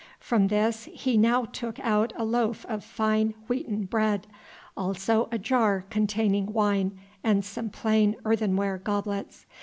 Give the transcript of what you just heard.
From this he now took out a loaf of fine wheaten bread, also a jar containing wine and some plain earthenware goblets.